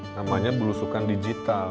namanya belusukan digital